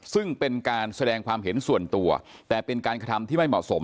ซึ่งเป็นการแสดงความเห็นส่วนตัวแต่เป็นการกระทำที่ไม่เหมาะสม